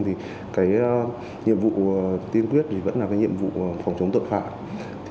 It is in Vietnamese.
nhiệm vụ tiên quyết vẫn là nhiệm vụ phòng chống tội phạm